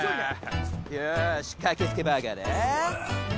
よし駆け付けバーガーだ。